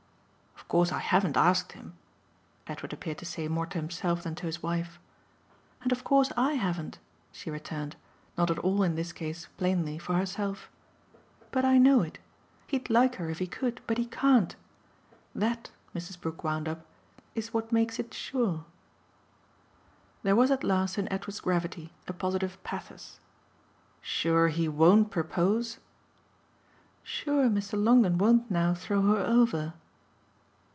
"Of course I haven't asked him," Edward appeared to say more to himself than to his wife. "And of course I haven't," she returned not at all in this case, plainly, for herself. "But I know it. He'd like her if he could, but he can't. That," Mrs. Brook wound up, "is what makes it sure." There was at last in Edward's gravity a positive pathos. "Sure he won't propose?" "Sure Mr. Longdon won't now throw her over."